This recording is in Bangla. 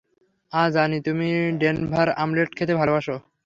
আহ, জানি তুমি ডেনভার অমলেট খেতে ভালোবাসো।